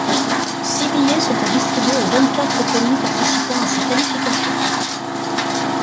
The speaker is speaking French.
Six billets sont à distribuer aux vingt-quatre pays participant à ces qualifications.